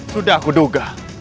sudah aku duga